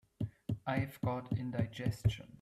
I've got indigestion.